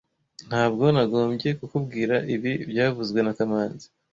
Ntabwo nagombye kukubwira ibi byavuzwe na kamanzi